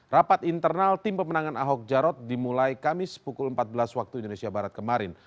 rapat internal tim pemenangan ahok jarot dimulai kamis pukul empat belas waktu indonesia barat kemarin